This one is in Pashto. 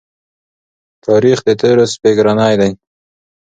تاریخ د تېرو سپږېرنی دی.